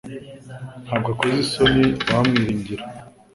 Ntabwo akoza isoni abamwiringira.